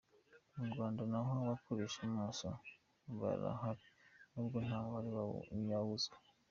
Mu Rwanda naho abakoresha imoso barahari nubwo nta mubare wabo nyawo uzwi.